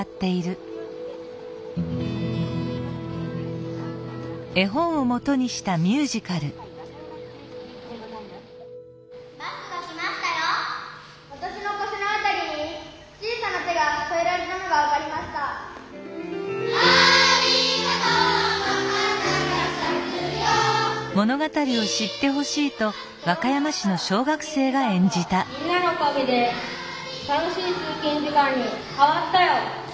「不安だった通勤時間がみんなのおかげで楽しい通勤時間に変わったよ」。